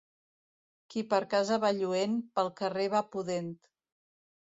Qui per casa va lluent, pel carrer va pudent.